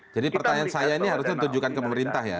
jadi pertanyaan saya ini harus ditujukan kepada pemerintah ya